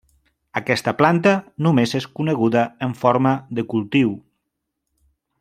Aquesta planta només és coneguda en forma de cultiu.